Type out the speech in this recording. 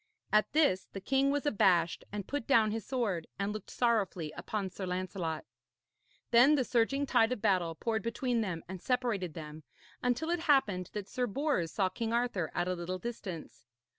At this the king was abashed and put down his sword, and looked sorrowfully upon Sir Lancelot. Then the surging tide of battle poured between them and separated them, until it happened that Sir Bors saw King Arthur at a little distance.